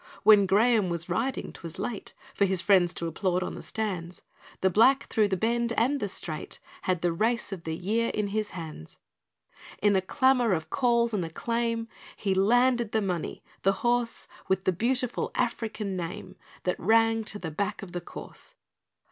When Graham was "riding" 'twas late For his friends to applaud on the stands, The black, through the bend and "the straight", Had the race of the year in his hands. In a clamour of calls and acclaim, He landed the money the horse With the beautiful African name, That rang to the back of the course.